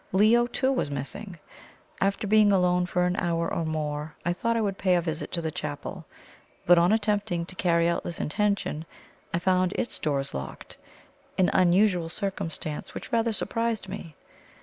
Leo, too, was missing. After being alone for an hour or more, I thought I would pay a visit to the chapel. But on attempting to carry out this intention I found its doors locked an unusual circumstance which rather surprised me.